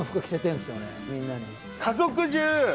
みんなに。